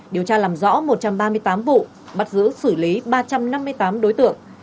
điều tra làm rõ một trăm ba mươi tám vụ bắt giữ xử lý ba trăm năm mươi tám đối tượng